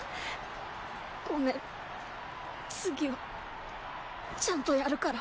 ごめん次はちゃんとやるから。